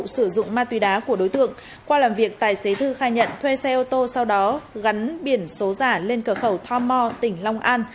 sử dụng ma túy đá của đối tượng qua làm việc tài xế thư khai nhận thuê xe ô tô sau đó gắn biển số giả lên cửa khẩu tho mo tỉnh long an